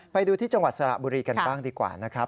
ไปดูที่จังหวัดสระบุรีกันบ้างดีกว่านะครับ